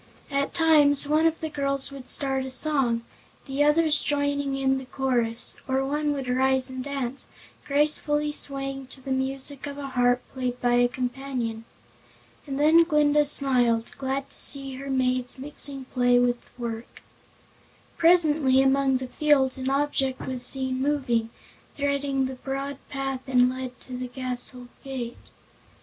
At times one of the girls would start a song, the others joining in the chorus, or one would rise and dance, gracefully swaying to the music of a harp played by a companion. And then Glinda smiled, glad to see her maids mixing play with work. Presently among the fields an object was seen moving, threading the broad path that led to the castle gate.